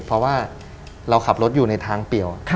เพราะว่าเราขับรถอยู่ในทางเปลี่ยว